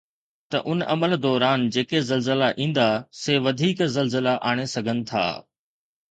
ته ان عمل دوران جيڪي زلزلا ايندا، سي وڌيڪ زلزلا آڻي سگهن ٿا